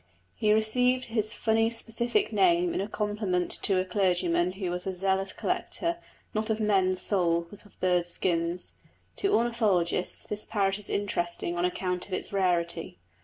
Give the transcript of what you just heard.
He received his funny specific name in compliment to a clergyman who was a zealous collector not of men's souls, but of birds' skins. To ornithologists this parrot is interesting on account of its rarity.